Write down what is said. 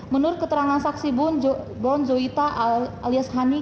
menurut keterangan saksi bonzoita alias hani